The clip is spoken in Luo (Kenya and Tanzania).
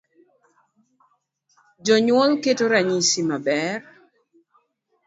Jonyuol keto ranyisi maber.